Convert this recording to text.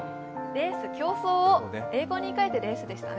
レース、競争を英語に変えてレースでしたね。